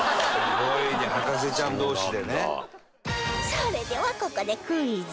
それではここでクイズ